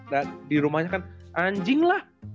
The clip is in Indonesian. dan di rumahnya kan anjing lah